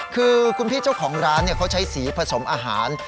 คือคุณพี่เจ้าของร้านเขาใช้สีผสมอาหาร